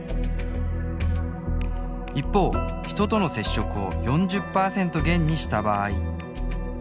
一方人との接触を４０％減にした場合。